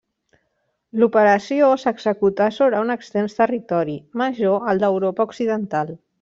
L'operació s'executà sobre un extens territori, major al d'Europa occidental.